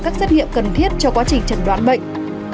cần thiết cho quá trình chẩn đoán bệnh